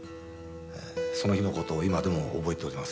その日のことを今でも覚えております。